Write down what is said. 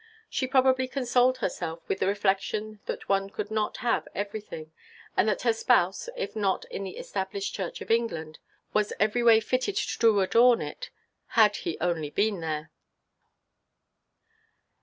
She probably consoled herself with the reflection that one could not have everything, and that her spouse, if not in the Established Church of England, was every way fitted to adorn it had he only been there.